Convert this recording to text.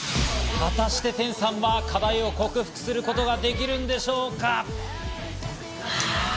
果たして、テンさんは課題を克服することができるんでしょうか。